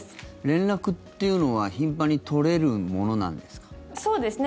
連絡というのは頻繁に取れるものなんですか？